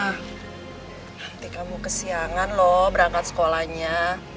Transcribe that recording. nanti kamu kesiangan loh berangkat sekolahnya